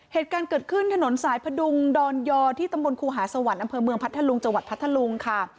เหตุการณ์เกิดขึ้นถนนสายพดุงดอนยอที่ตำบลครูหาสวรรค์อำเภอเมืองพัทธลุงจังหวัดพัทธลุงค่ะ